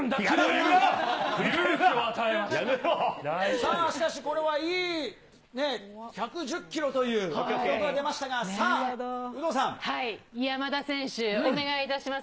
さあ、しかし、これはいい、１１０キロという記録が出ました山田選手、お願いいたします。